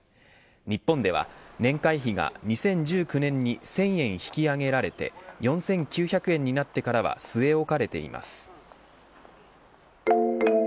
日本では年会費が２０１９年に１０００円引き上げられて４９００円になってからは据え置かれています。